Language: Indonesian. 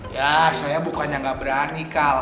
ya saya bukannya gak berani kal